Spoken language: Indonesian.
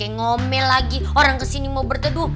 ngomel lagi orang kesini mau berteduh